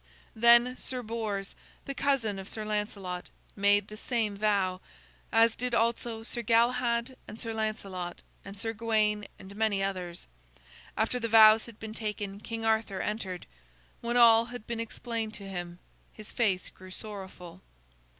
Then good Sir Bors, the cousin of Sir Lancelot, made the same vow, as did also Sir Galahad and Sir Lancelot and Sir Gawain and many others. After the vows had been taken, King Arthur entered. When all had been explained to him, his face grew sorrowful.